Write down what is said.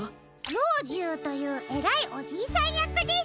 ろうじゅうというえらいおじいさんやくです！